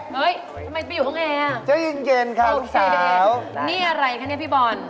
เฮ้ยทำไมไปอยู่ห้องแอร์